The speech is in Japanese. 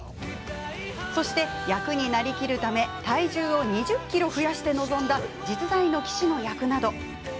そして、役になりきるため体重を２０ｋｇ増やして臨んだ実在の棋士の役など。